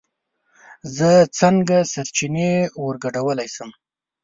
زه څنگه سرچينې ورگډولی شم